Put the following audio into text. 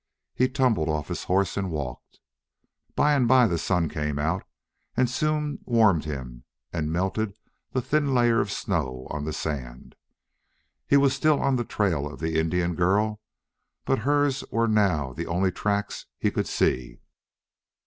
He tumbled off his horse and walked. By and by the sun came out and soon warmed him and melted the thin layer of snow on the sand. He was still on the trail of the Indian girl, but hers were now the only tracks he could see.